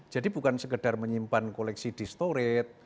jadi bukan sekedar menyimpan koleksi di storit